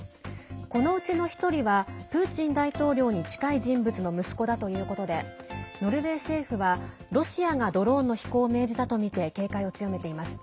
このうちの１人はプーチン大統領に近い人物の息子だということでノルウェー政府はロシアがドローンの飛行を命じたとみて警戒を強めています。